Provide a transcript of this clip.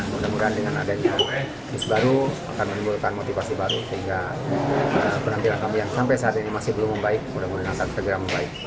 mudah mudahan dengan adanya bisnis baru akan menimbulkan motivasi baru sehingga penampilan kami yang sampai saat ini masih belum membaik mudah mudahan akan segera membaik